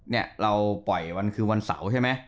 เนี่ยเราปล่อยวันคือวันเสาร์ใช่ไหม